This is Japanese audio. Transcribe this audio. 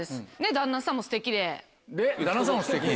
旦那さんもすてき。